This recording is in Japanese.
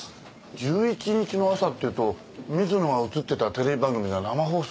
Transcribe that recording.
１１日の朝っていうと水野が映ってたテレビ番組が生放送された。